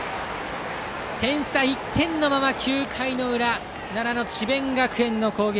点差１点のまま９回の裏奈良の智弁学園の攻撃。